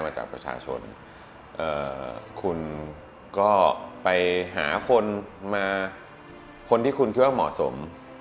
จากประชาชนคุณก็ไปหาคนมาคนที่คุณคิดว่าเหมาะสม